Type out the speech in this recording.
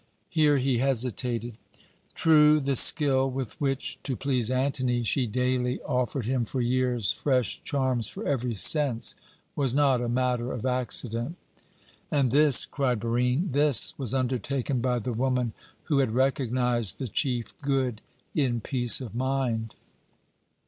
Here he hesitated. "True, the skill with which, to please Antony, she daily offered him for years fresh charms for every sense, was not a matter of accident." "And this," cried Barine, "this was undertaken by the woman who had recognized the chief good in peace of mind!"